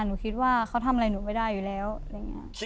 หนูคิดว่าเขาทำอะไรหนูไม่ได้อยู่แล้วอะไรอย่างนี้